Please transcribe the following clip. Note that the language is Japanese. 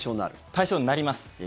対象になります。